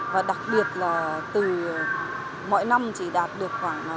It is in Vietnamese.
và đặc biệt là từ mọi năm chỉ đạt được khoảng